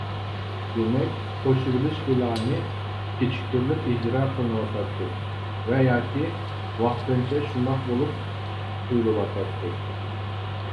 دېمەك قوشۇۋېلىش پىلانى كېچىكتۈرۈلۈپ ئىجرا قىلىنىۋاتاتتى ۋە ياكى ۋاقتىنچە شۇنداق بولۇپ تۇيۇلۇۋاتاتتى.